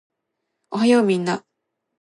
おはようみんな